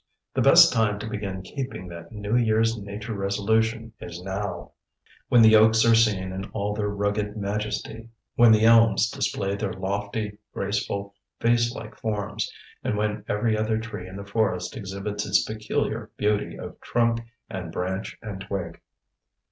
The best time to begin keeping that New Year's nature resolution is now, when the oaks are seen in all their rugged majesty, when the elms display their lofty, graceful, vase like forms, and when every other tree of the forest exhibits its peculiar beauty of trunk, and branch, and twig.